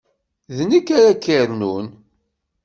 D nekk ara k-yernun.